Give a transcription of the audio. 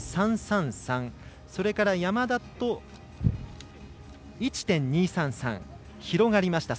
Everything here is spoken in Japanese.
それから山田と１．２３３広がりました。